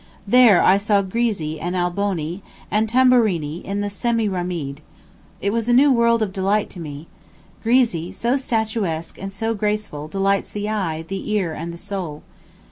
There I saw Grisi and Alboni and Tamburini in the "Semiramide." It was a new world of delight to me. Grisi, so statuesque and so graceful, delights the eye, the ear, and the soul.